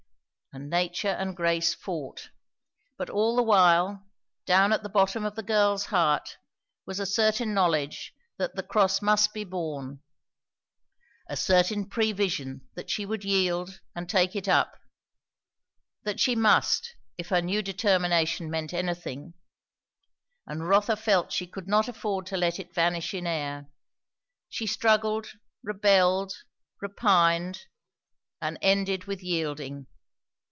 And Nature and Grace fought. But all the while, down at the bottom of the girl's heart, was a certain knowledge that the cross must be borne; a certain prevision that she would yield and take it up; that she must, if her new determination meant anything; and Rotha felt she could not afford to let it vanish in air. She struggled, rebelled, repined, and ended with yielding.